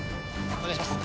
お願いします。